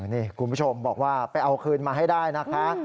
นี่คุณผู้ชมบอกว่าไปเอาคืนมาให้ได้นะคะ